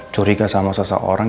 curiga sama seseorang